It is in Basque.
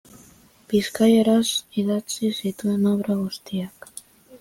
Bizkaieraz idatzi zituen obra guztiak.